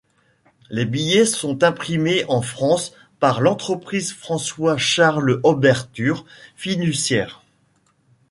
Les billets sont imprimés en France par l'entreprise François-Charles Oberthur Fiduciaire.